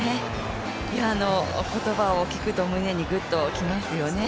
言葉を聞くと胸にグッときますよね。